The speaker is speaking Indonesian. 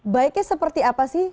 baiknya seperti apa sih